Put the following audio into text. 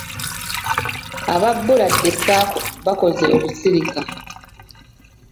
Aba Buladde Sacco bakoze olusirika.